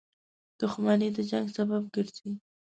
• دښمني د جنګ سبب ګرځي.